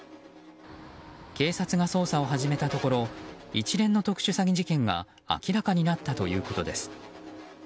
警察が捜査を始めたところ一連の特殊詐欺事件が明らかになったということです。